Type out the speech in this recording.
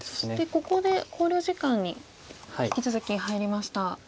ここで考慮時間に引き続き入りました。